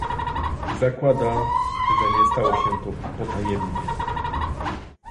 Zakładam, że nie stało się to potajemnie